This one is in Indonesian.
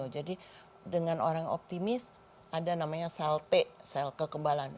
jadi dengan orang optimis ada namanya sel t sel kekebalan